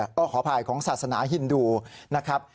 ก็ขออภัยของศาสนาฮินดูนะครับ